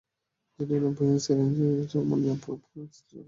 আর্জেন্টিনার বুয়েনস এইরেসে জন্ম নেওয়া পোপ ফ্রান্সিস সান লরেঞ্জোর পাঁড় ভক্ত।